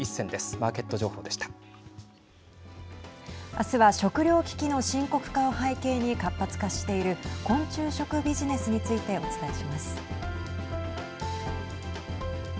明日は食料危機の深刻化を背景に活発化している昆虫食ビジネスについてお伝えします。